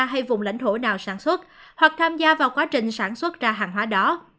hay vùng lãnh thổ nào sản xuất hoặc tham gia vào quá trình sản xuất ra hàng hóa đó